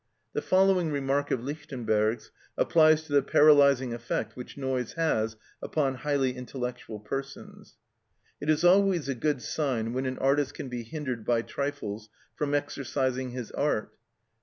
The following remark of Lichtenberg's applies to the paralysing effect which noise has upon highly intellectual persons: "It is always a good sign when an artist can be hindered by trifles from exercising his art.